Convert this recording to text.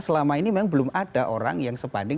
selama ini memang belum ada orang yang sebanding